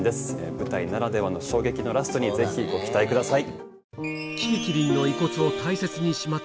舞台ならではの衝撃のラストにぜひご期待ください。